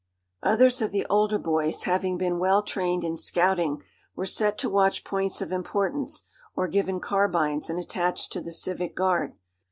Others of the older boys, having been well trained in scouting, were set to watch points of importance, or given carbines and attached to the civic guard.